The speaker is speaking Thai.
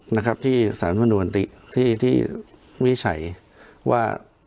นะครับที่สาธารณูนติที่ที่วิชัยว่า